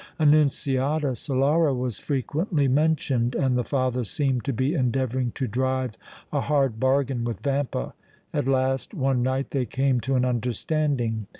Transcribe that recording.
Annunziata Solara was frequently mentioned, and the father seemed to be endeavouring to drive a hard bargain with Vampa. At last one night they came to an understanding.